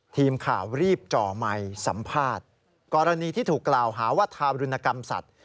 ทีมข่าวรีบจ่อไมค์สัมภาษณ์กรณีที่ถูกกล่าวหาว่าทารุณกรรมสัตว